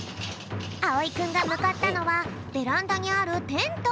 あおいくんがむかったのはベランダにあるテント。